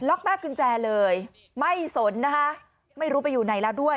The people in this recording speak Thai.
แม่กุญแจเลยไม่สนนะคะไม่รู้ไปอยู่ไหนแล้วด้วย